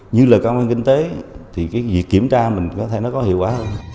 như là công an kinh tế thì cái việc kiểm tra mình có thể nó có hiệu quả